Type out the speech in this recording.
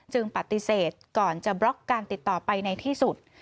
ปฏิเสธก่อนจะบล็อกการติดต่อไปในที่สุด